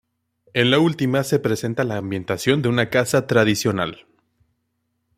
En la última se presenta la ambientación de una casa tradicional.